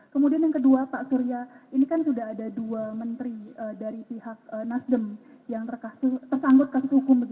kemudian yang kedua pak surya ini kan sudah ada dua menteri dari pihak nasdem yang tersangkut kasus hukum